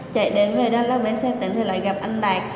chạy đến về đắk lắk đến xe tỉnh thì lại gặp anh đạt